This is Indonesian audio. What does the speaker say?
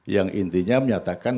yang intinya menyatakan